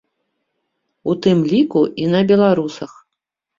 У тым ліку і на беларусах.